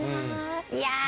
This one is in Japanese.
いや！